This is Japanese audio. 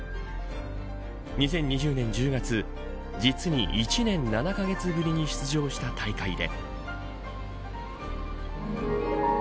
２０２０年１０月実に１年７カ月ぶりに出場した大会で。